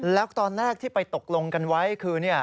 แล้วตอนแรกที่ไปตกลงกันไว้คือ